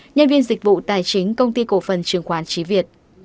nhân viên dịch vụ tài chính công ty cổ phân chứng khoán trí việt